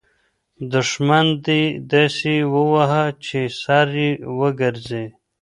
دښمن دې داسې ووهه چي سر یې وګرځي.